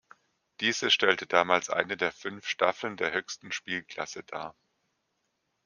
Diese stellte damals eine der fünf Staffeln der höchsten Spielklasse dar.